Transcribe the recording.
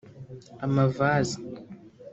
amavazi